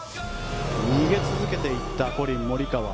逃げ続けていったコリン・モリカワ。